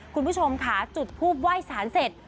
คุณผู้ชมค่ะจุดภูมิว่ายสารเสร็จ